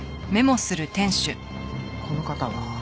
この方は？